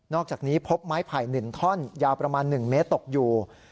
อกจากนี้พบไม้ไผ่๑ท่อนยาวประมาณ๑เมตรตกอยู่